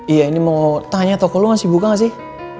iya ini mau tanya toko lu masih buka nggak sih